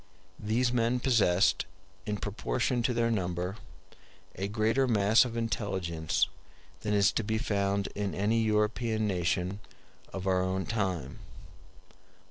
These men possessed, in proportion to their number, a greater mass of intelligence than is to be found in any European nation of our own time.